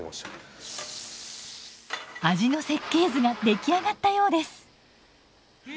味の設計図が出来上がったようです。